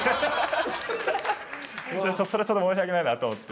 それはちょっと申し訳ないなと思って。